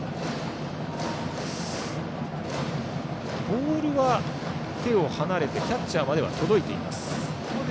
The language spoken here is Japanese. ボールは手を離れてキャッチャーまでは届いています。